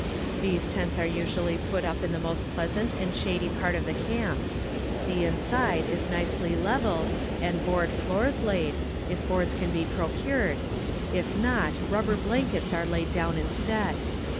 These tents are usually put up in the most pleasant and shady part of the camp; the inside is nicely leveled, and board floors laid, if boards can be procured, if not, rubber blankets are laid down instead.